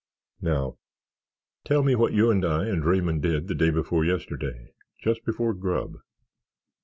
"Now, tell me what you and I and Raymond did the day before yesterday—just before grub."